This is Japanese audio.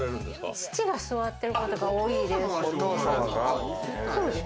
父が座ってることが多いです。